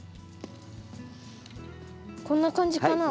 こんな感じかな？